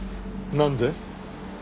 なんで？